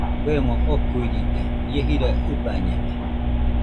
Kuemo okuiride, ie jira ɨbañede.